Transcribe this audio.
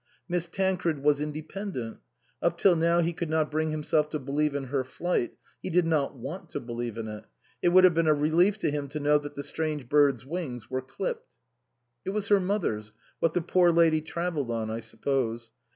Miss Tancred was inde pendent. Up till now he could not bring himself to believe in her flight ; he did not want to believe in it ; it would have been a relief to him to know that the strange bird's wings were clipped. " It was her mother's ; what the poor lady travelled on, I suppose.